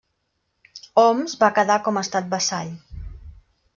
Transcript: Homs va quedar com estat vassall.